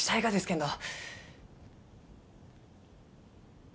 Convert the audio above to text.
けんど。